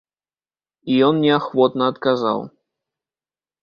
І ён неахвотна адказаў.